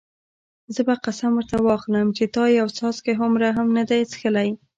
زه به قسم ورته واخلم چې تا یو څاڅکی هومره هم نه دی څښلی.